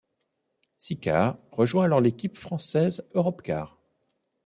Sicard rejoint alors l'équipe française Europcar.